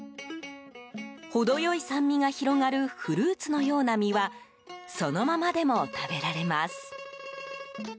程良い酸味が広がるフルーツのような実はそのままでも食べられます。